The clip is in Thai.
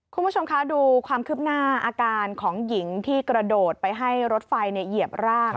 คุณผู้ชมคะดูความคืบหน้าอาการของหญิงที่กระโดดไปให้รถไฟเหยียบร่าง